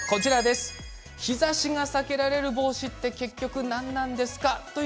日ざしが避けられる帽子は結局、何なんですか。